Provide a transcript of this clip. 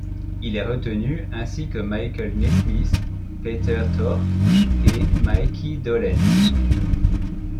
Il est retenu, ainsi que Michael Nesmith, Peter Tork et Micky Dolenz.